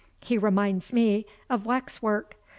He reminds me of wax work.